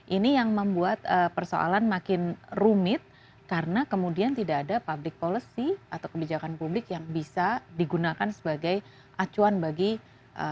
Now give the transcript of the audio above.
ini yang membuat persoalan makin rumit karena kemudian tidak ada public policy atau kebijakan publik yang bisa digunakan sebagai acuan bagi masyarakat